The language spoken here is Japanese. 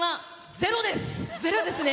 ゼロですね。